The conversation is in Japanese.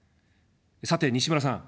さて、西村さん。